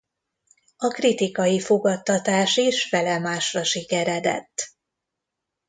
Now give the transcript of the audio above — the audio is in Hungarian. A kritikai fogadtatás is felemásra sikeredett.